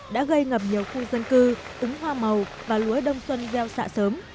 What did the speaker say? đã gây ngập nhiều khu dân cư ứng hoa màu và lúa đông xuân gieo xạ sớm